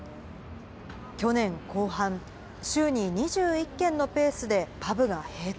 去年後半、週に２１軒のペースでパブが閉店。